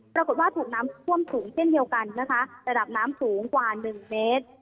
ปรากฏว่าถูกน้ำท่วมสูงเช่นเดียวกันนะคะระดับน้ำสูงกว่าหนึ่งเมตร